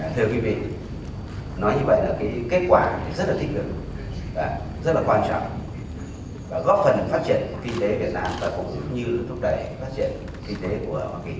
thưa quý vị nói như vậy là kết quả rất là thích cực rất là quan trọng góp phần phát triển kinh tế việt nam và cũng như thúc đẩy phát triển kinh tế của hoa kỳ